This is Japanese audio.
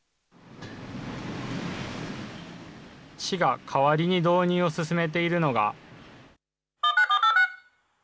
市が代わりに導入を進めているのが。